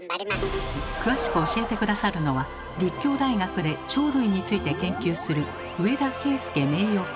詳しく教えて下さるのは立教大学で鳥類について研究する